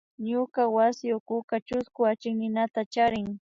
Ñuka wasi ukuka chusku achikninata charin